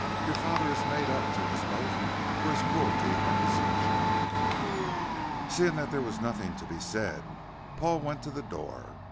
"Your father has made up to us both for his cruelty and desertion." Seeing that there was nothing to be said, Paul went to the door.